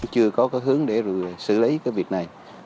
chưa có hướng để xử lý việc này